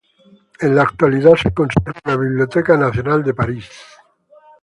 En la actualidad se conserva en la Biblioteca Nacional de París, Ms.